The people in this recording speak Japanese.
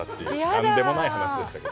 何でもない話でしたが。